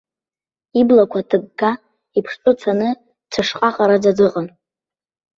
Иблақәа ҭыгга, иԥштәы цаны дцәышҟаҟараӡа дыҟан.